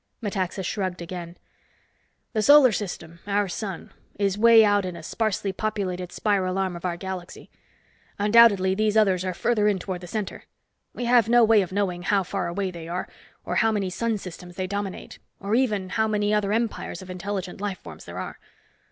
Metaxa shrugged again. "The Solar System, our sun, is way out in a sparsely populated spiral arm of our galaxy. Undoubtedly, these others are further in toward the center. We have no way of knowing how far away they are, or how many sun systems they dominate, or even how many other empires of intelligent life forms there are.